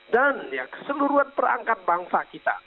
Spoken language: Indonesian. dan ya keseluruhan perangkat bangsa kita